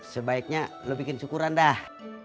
sebaiknya lo bikin syukuran dah